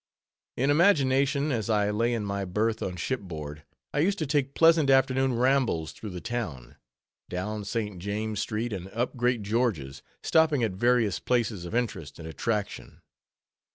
In imagination, as I lay in my berth on ship board, I used to take pleasant afternoon rambles through the town; down St. James street and up Great George's, stopping at various places of interest and attraction.